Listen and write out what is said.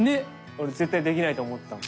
俺絶対できないと思ったもん。